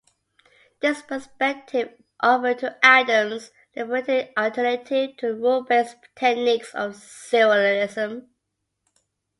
This perspective offered to Adams a liberating alternative to the rule-based techniques of serialism.